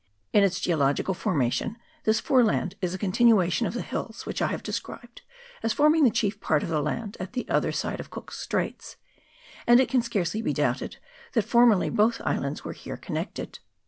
In its geological formation this foreland is a continuation of the hills which I have described as forming the chief part of the land at the other side of Cook's Straits, and it can scarcely be doubted that formerly both islands were here connected.